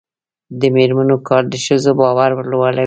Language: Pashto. د میرمنو کار د ښځو باور لوړوي.